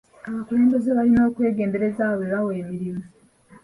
Abakulembeze balina okwegendereza abo be bawa emirimu.